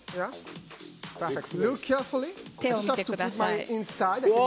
手を見てください。